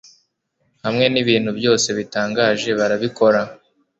hamwe nibintu byose bitangaje barabikora